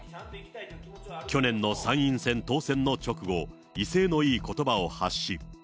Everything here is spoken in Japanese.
去年の参院選当選の直後、威勢のいいことばを発し。